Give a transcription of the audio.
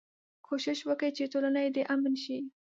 کوشش کوي چې ټولنه يې د امن شي.